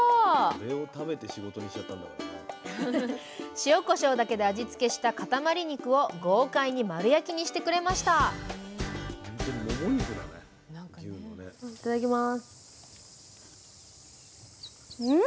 塩こしょうだけで味付けしたかたまり肉を豪快に丸焼きにしてくれましたいただきます。